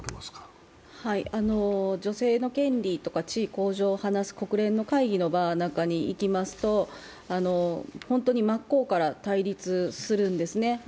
女性の権利とか地位向上を話す国連の会議の場に行きますと本当に真っ向から対立するんですね。